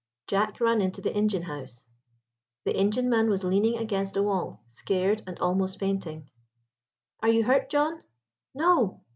Jack ran into the engine house. The engineman was leaning against a wall, scared and almost fainting. "Are you hurt, John?" "No!"